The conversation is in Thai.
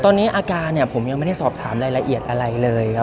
ตอนนี้อาการเนี่ยผมยังไม่ได้สอบถามรายละเอียดอะไรเลยครับ